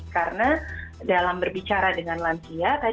karena dalam berbicara dengan lansia